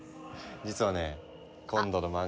実はね今度の漫画。